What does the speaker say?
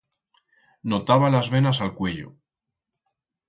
Notaba las venas a'l cuello.